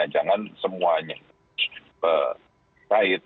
jangan semuanya berkait